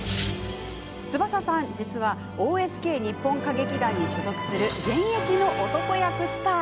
翼さん実はＯＳＫ日本歌劇団に所属する現役の男役スター。